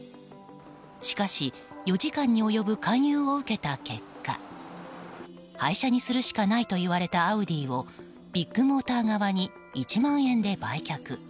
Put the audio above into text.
しかし、４時間に及ぶ勧誘を受けた結果廃車にするしかないと言われたアウディをビッグモーター側に１万円で売却。